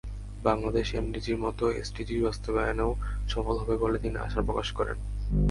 বাংলাদেশ এমডিজির মতো এসডিজি বাস্তবায়নেও সফল হবে বলে তিনি আশা প্রকাশ করেন।